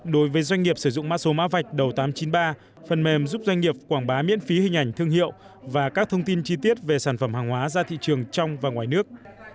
đối với doanh nghiệp sử dụng mã số mã vạch đầu tám trăm chín mươi ba phần mềm giúp doanh nghiệp quảng bá miễn phí hình ảnh thương hiệu và các thông tin chi tiết về sản phẩm hàng hóa ra thị trường trong và ngoài nước